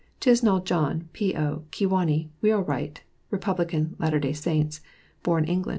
CHISNALL JOHN, P.O. Kewanee; wheelwright; Rep; Latter Day Saints; born Eng.